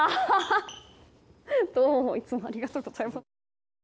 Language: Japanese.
どうもいつもありがとうございます。